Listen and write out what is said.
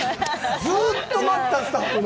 ずっと待ったスタッフの。